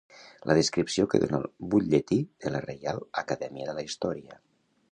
La descripció que dona el Butlletí de la Reial Acadèmia de la Història.